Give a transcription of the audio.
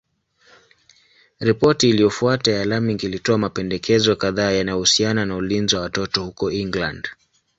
Ripoti iliyofuata ya Laming ilitoa mapendekezo kadhaa yanayohusiana na ulinzi wa watoto huko England.